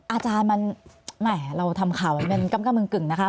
อาจารย์มันเราทำข่าวมันเป็นกำกับเมืองกึ่งนะคะ